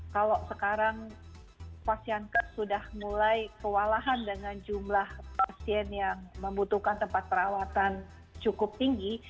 kalau sekarang pasien sudah mulai kewalahan dengan jumlah pasien yang membutuhkan tempat perawatan cukup tinggi